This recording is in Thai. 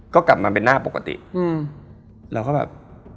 ก็กลับมาเป็นหน้าปกติอืมแล้วก็แบบ